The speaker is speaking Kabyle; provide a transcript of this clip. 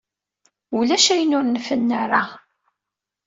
Ulac ayen ur n-fennu ara.